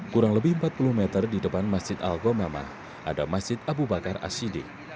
kurang lebih empat puluh meter di depan masjid al gomamah ada masjid abu bakar asyiddin